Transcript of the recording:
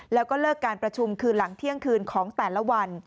แล้วก็เลิกการประชุมคืนหลังเที่ยงคืนของแต่ละวัน